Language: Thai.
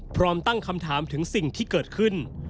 พร้อมตั้งคำถามถึงสิ่งที่เกิดขึ้น